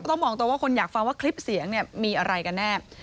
ต้องมองตัวว่าคนอยากฟังว่าคลิปเสียงเนี่ยมีอะไรกันแน่